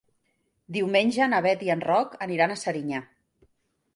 Diumenge na Bet i en Roc aniran a Serinyà.